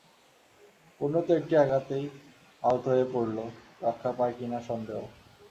পূর্ণ তো একটি আঘাতেই আহত হয়ে পড়ল– রক্ষা পায় কি না সন্দেহ।